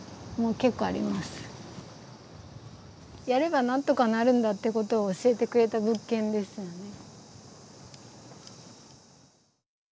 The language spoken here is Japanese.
やればなんとかなるんだってことを教えてくれた物件ですよね。